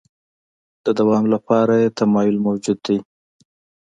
د دوام لپاره یې تمایل موجود دی.